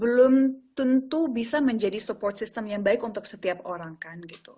belum tentu bisa menjadi support system yang baik untuk setiap orang kan gitu